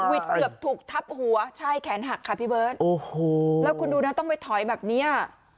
เกือบถูกทับหัวใช่แขนหักค่ะพี่เบิร์ตโอ้โหแล้วคุณดูนะต้องไปถอยแบบเนี้ย